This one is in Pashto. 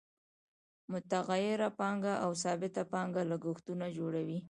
متغیره پانګه او ثابته پانګه لګښتونه جوړوي